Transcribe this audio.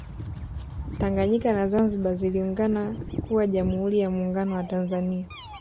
Tanganyika na Zanzibar ziliungana kuwa Jamhuri ya Muungano wa Tanzania